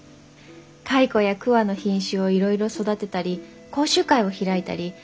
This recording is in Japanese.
カイコやクワの品種をいろいろ育てたり講習会を開いたり。